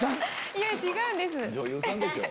いや違うんです。